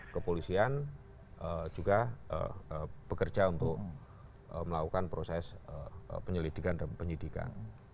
kepolisian juga bekerja untuk melakukan proses penyelidikan dan penyidikan